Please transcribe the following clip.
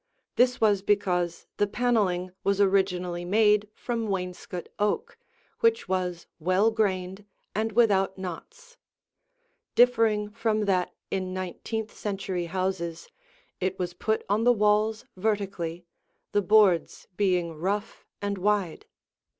This was because the paneling was originally made from wainscot oak which was well grained and without knots. Differing from that in nineteenth century houses, it was put on the walls vertically, the boards being rough and wide.